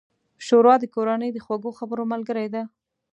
ښوروا د کورنۍ د خوږو خبرو ملګرې ده.